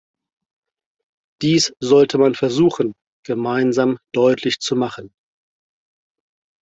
Dies sollte man versuchen, gemeinsam deutlich zu machen.